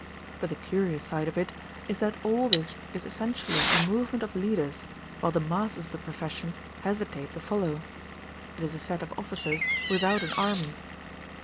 But the curious side of it is that all this is essentially a movement of leaders while the masses of the profession hesitate to follow. It is a set of officers without an army.